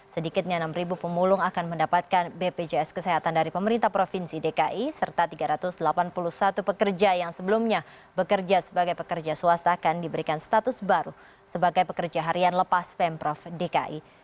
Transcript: sedikitnya enam pemulung akan mendapatkan bpjs kesehatan dari pemerintah provinsi dki serta tiga ratus delapan puluh satu pekerja yang sebelumnya bekerja sebagai pekerja swasta akan diberikan status baru sebagai pekerja harian lepas pemprov dki